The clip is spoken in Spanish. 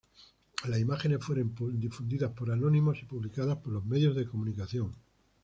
Las imágenes fueron difundidas por anónimos y publicadas por los medios de comunicación.